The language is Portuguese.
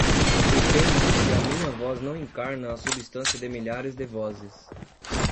E penso se a minha voz não encarna a substância de milhares de vozes